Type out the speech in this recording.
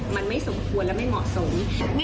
มันไม่สมควรและไม่เหมาะสม